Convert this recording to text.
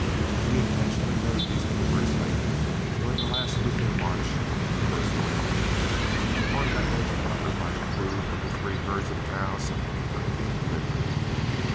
We intentionally made these deliveries late during the last week in March and the first one in April in order that Major Hunter might approve of the three herds of cows for Indian delivery.